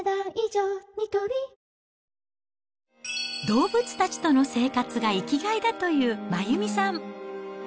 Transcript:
動物たちとの生活が生きがいだという真弓さん。